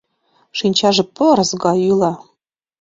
Шинчаже пырыс гай йӱла.